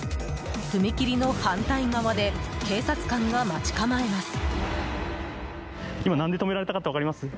踏切の反対側で警察官が待ち構えます。